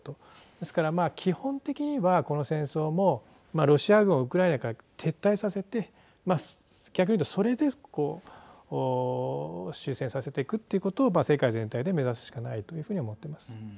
ですから基本的にはこの戦争もロシア軍をウクライナから撤退させて逆に言うとそれで終戦させていくということを世界全体で目指すしかないというふうに思っています。